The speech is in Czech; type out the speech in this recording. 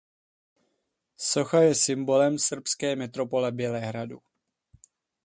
Socha je symbolem srbské metropole Bělehradu.